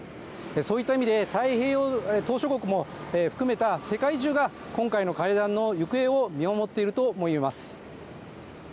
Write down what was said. そういった意味で、太平洋島しょ国も含めた世界中が今回の会談の行方を見守っていると思います。